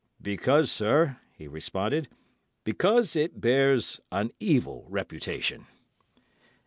'Because, sir,' he responded, 'because it bears an evil reputation.